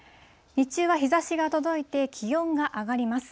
日中は日ざしが届いて、気温が上がります。